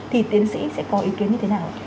thì tiến sĩ sẽ có ý kiến như thế nào